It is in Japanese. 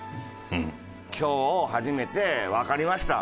今日初めてわかりました。